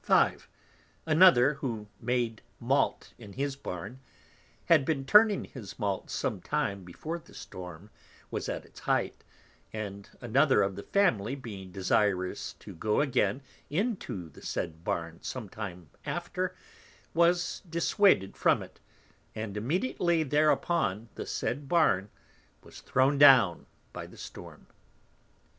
5. Another, who made Malt in his Barn, had been turning his Malt sometime before the Storm was at its height, and another of the Family being desirous to go again into the said Barn sometime after, was disswaded from it, and immediately thereupon the said Barn was thrown down by the Storm.